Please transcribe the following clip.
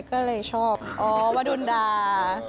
ก็เลยชอบอ๋อวดุลดา